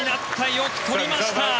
よく取りました。